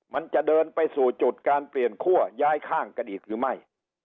มันจะเดินไปสู่จุดการเปลี่ยนคั่วย้ายข้างกันอีกหรือไม่